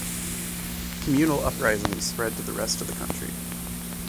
Communal uprisings spread to the rest of the country.